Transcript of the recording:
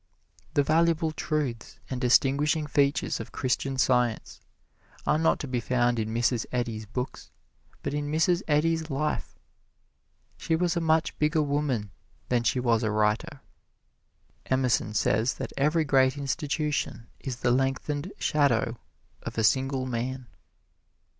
The valuable truths and distinguishing features of Christian Science are not to be found in Mrs. Eddy's books, but in Mrs. Eddy's life. She was a much bigger woman than she was a writer. Emerson says that every great institution is the lengthened shadow of a single man.